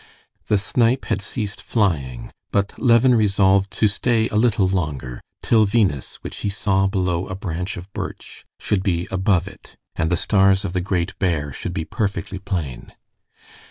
The snipe had ceased flying; but Levin resolved to stay a little longer, till Venus, which he saw below a branch of birch, should be above it, and the stars of the Great Bear should be perfectly plain.